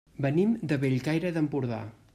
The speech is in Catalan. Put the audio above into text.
Venim de Bellcaire d'Empordà.